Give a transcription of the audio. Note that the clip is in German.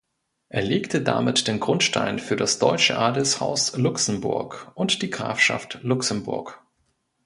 Er legte damit den Grundstein für das deutsche Adelshaus Luxemburg und die Grafschaft Luxemburg.